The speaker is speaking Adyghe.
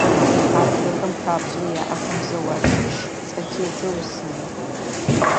Адыгэхэм хабзэу яӀэхэм зэу ащыщ цӀэтедзэ усыныр.